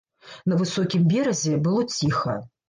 На высокім беразе было ціха.